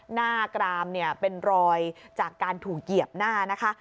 หน้ากรามเนี่ยเป็นรอยจากการถูกเหยียบหน้านะคะ